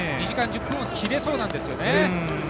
２時間１０分を切れそうなんですよね